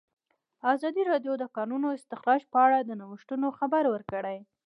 ازادي راډیو د د کانونو استخراج په اړه د نوښتونو خبر ورکړی.